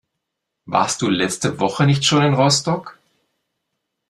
Warst du letzte Woche nicht schon in Rostock?